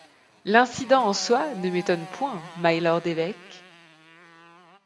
L’incident en soi ne m’étonne point, mylord évêque.